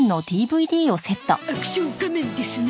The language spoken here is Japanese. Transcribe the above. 『アクション仮面』ですな。